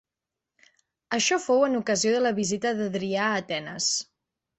Això fou en ocasió de la visita d'Adrià a Atenes.